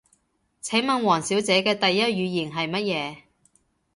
請問王小姐嘅第一語言係乜嘢？